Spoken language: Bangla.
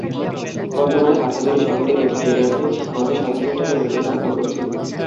বর্তমানে হাটহাজারী শহরের একটি টেইলার্সে মাসে সাত হাজার টাকা বেতনে চাকরি করছেন।